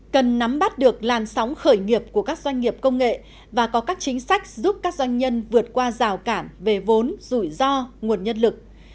cần nắm bắt được làn sóng khởi nghiệp của các doanh nghiệp công nghệ và có các chính sách giúp các doanh nhân vượt qua rào cản về vốn rủi ro nguồn nhân lực